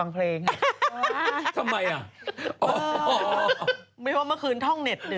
ตรงท่องเรื่องนี้